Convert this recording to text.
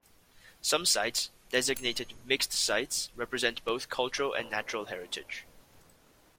Some sites, designated "mixed sites," represent both cultural and natural heritage.